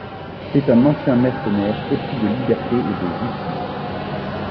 C’est un ancien mercenaire épris de liberté et de justice.